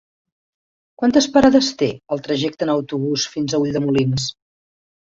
Quantes parades té el trajecte en autobús fins a Ulldemolins?